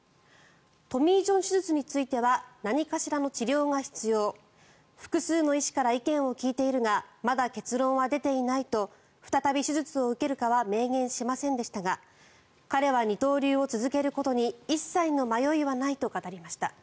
トミー・ジョン手術については何かしらの治療が必要複数の医師から意見を聞いているがまだ結論は出ていないと再び手術を受けるかは明言しませんでしたが彼は二刀流を続けることに一切の迷いはないと語りました。